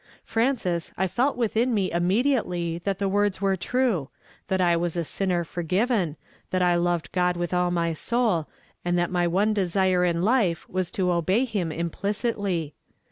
F. ances, I felt within me innnediately that the words were ti ue, — that I was a sinner forgiven, that I loved (^od witli all my soul, and that my one desire in life was to obey him im plicitly